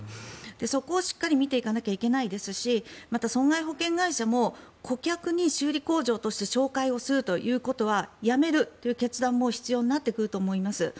そこをしっかり見ていかなきゃいけないですしまた損害保険会社も顧客に修理工場として紹介することをやめるという決断も必要になってくると思います。